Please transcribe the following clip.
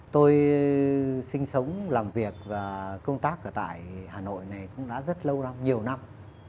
tôi sinh sống làm việc và công tác ở tại hà nội này cũng đã rất lâu nhiều năm